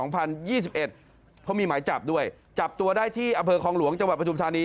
เพราะมีหมายจับด้วยจับตัวได้ที่อำเภอคลองหลวงจังหวัดประชุมธานี